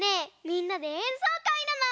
みんなでえんそうかいなの！